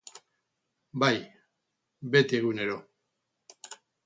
Bai, beti, egunero.